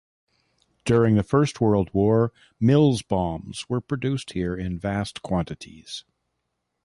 During the First World War Mills Bombs were produced here in vast quantities.